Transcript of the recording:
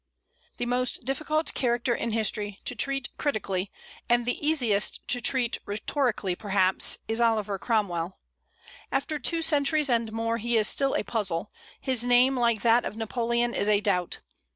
The most difficult character in history to treat critically, and the easiest to treat rhetorically, perhaps, is Oliver Cromwell; after two centuries and more he is still a puzzle: his name, like that of Napoleon, is a doubt.